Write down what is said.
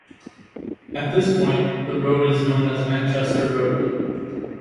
At this point, the road is known as Manchester Road.